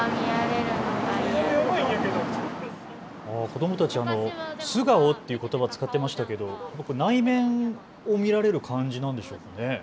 子どもたち、素顔っていうことば、使ってましたけど内面を見られる感じなんでしょうかね。